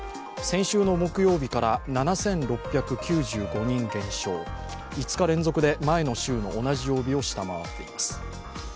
先週の木曜日から７６９５人減少、５日連続で前の週の同じ曜日を下回っています。